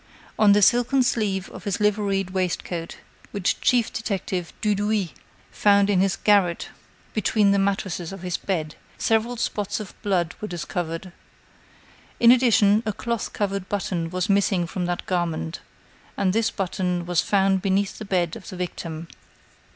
On the silken sleeve of his liveried waistcoat, which chief detective Dudouis found in his garret between the mattresses of his bed, several spots of blood were discovered. In addition, a cloth covered button was missing from that garment, and this button was found beneath the bed of the victim.